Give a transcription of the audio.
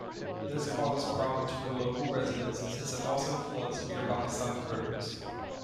This causes problems for local residents since it also floods nearby side roads.